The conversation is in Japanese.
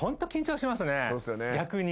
逆に。